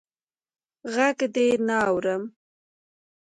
ږغ دي نه اورم.